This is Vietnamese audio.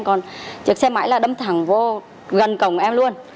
còn chiếc xe máy là đâm thẳng vô gần cổng em luôn